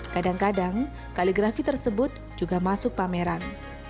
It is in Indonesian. kadang kadang kaligrafi tersebut juga masuk pameran